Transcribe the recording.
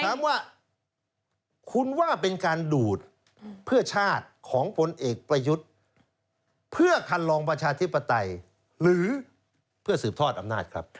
ถามว่าคุณว่าเป็นการดูดเพื่อชาติของพลเอกประยุทธ์เพื่อคันลองประชาธิปไตยหรือเพื่อสืบทอดอำนาจครับ